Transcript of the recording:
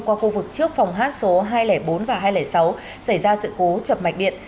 qua khu vực trước phòng hát số hai trăm linh bốn và hai trăm linh sáu xảy ra sự cố chập mạch điện